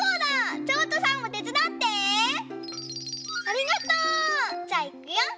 ありがとう！じゃあいくよ。